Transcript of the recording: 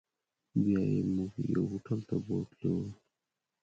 بیا یې موږ یو هوټل ته بوتلو.